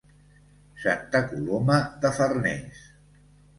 Santa Coloma de Farners.